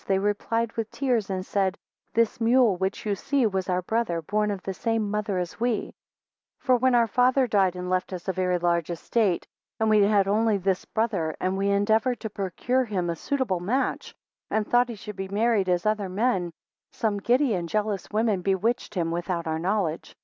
they replied with tears, and said, This mule, which you see, was our brother, born of this same mother as we; 14 For when our father died, and left us a very large estate, and we had only this brother, and we endeavoured to procure him a suitable match, and thought he should be married as other men, some giddy and jealous women bewitched him without our knowledge.